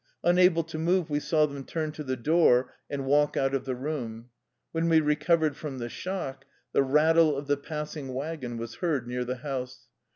Unable to move, we saw them turn to the door and walk out of the room. When we recovered from the shock, the rattle of the pass ing wagon was heard near the house.